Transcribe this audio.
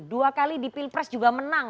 dua kali dipilpres juga menang